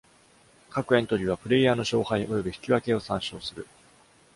各エントリーは、プレイヤーの勝敗及び引き分けを参照する。